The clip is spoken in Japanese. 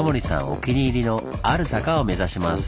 お気に入りのある坂を目指します。